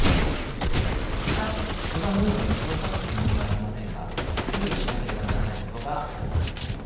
しかし祝賀ムードに水を差すつもりはありませんが注意しなければならないことがあります。